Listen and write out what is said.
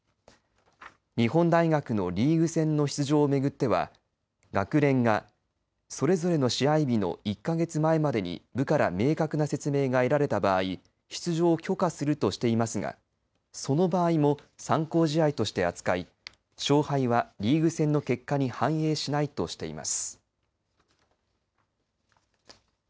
日本大学のリーグ戦の出場を巡っては学連が、それぞれの試合日の１か月前までに部から明確な説明が得られた場合出場を許可するとしていますがその場合も、参考試合として扱い勝敗はリーグ戦の結果に反映しないとしています。